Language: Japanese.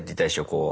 こう。